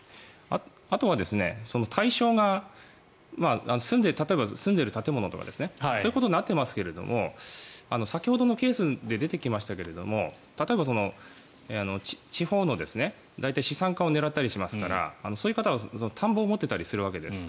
あとは対象が例えば住んでいる建物とかそういうことになっていますが先ほどのケースで出てきましたが例えば、地方の大体、資産家を狙ったりしますからそういう方は田んぼを持っていたりするわけです。